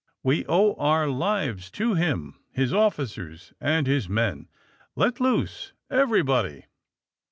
We owe our lives to him, his officers and his men. Let loose — everybody